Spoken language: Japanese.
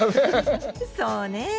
そうね。